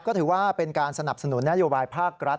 ก็ถือว่าเป็นการสนับสนุนนโยบายภาครัฐ